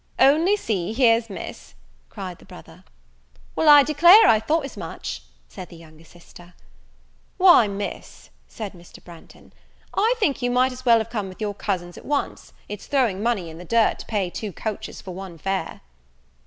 "Only see, here's Miss!" cried the brother. "Well, I declare I thought as much!" said the younger sister. "Why, Miss," said Mr. Branghton, "I think you might as well have come with your cousins at once; it's throwing money in the dirt, to pay two coaches for one fare."